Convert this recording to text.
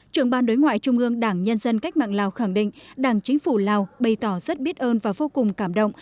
trưởng ban đối ngoại trung ương đảng nhân dân cách mạng lào khẳng định đảng chính phủ lào bày tỏ rất biết ơn và vô cùng cảm động